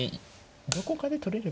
どこかで取れれば。